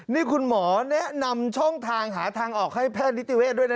นี่คุณหมอแนะนำช่องทางหาทางออกให้แพทย์นิติเวทด้วยนะ